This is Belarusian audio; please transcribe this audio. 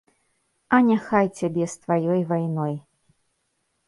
А няхай цябе з тваёй вайной.